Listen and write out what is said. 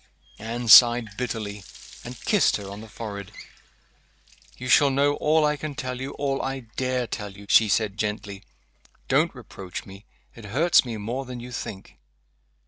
Anne sighed bitterly, and kissed her on the forehead. "You shall know all I can tell you all I dare tell you," she said, gently. "Don't reproach me. It hurts me more than you think."